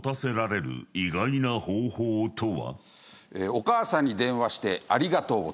お母さんに電話してありがとうを伝える。